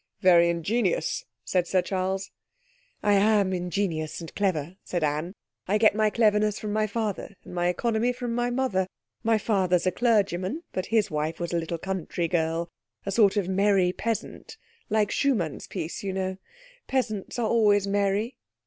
'Very ingenious,' said Sir Charles. 'I am ingenious and clever,' said Anne. 'I get my cleverness from my father, and my economy from my mother. My father's a clergyman, but his wife was a little country girl a sort of Merry Peasant; like Schumann's piece, you know. Peasants are always merry.'